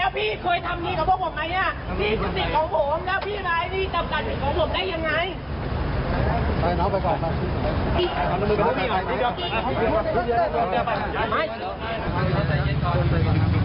เพลง